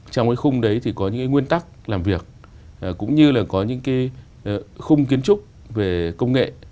trong cái khung đấy thì có những cái nguyên tắc làm việc cũng như là có những cái khung kiến trúc về công nghệ